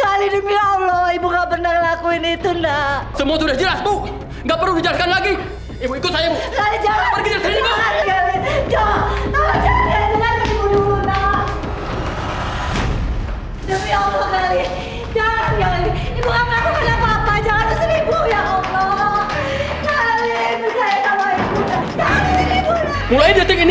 kali ini ya allah ibu gak pernah lakuin ini